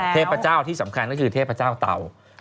เทพเจ้าที่สำคัญก็คือเทพเจ้าเตา